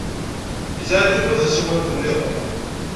Yesɣa-d Yuba tasiwant niḍen.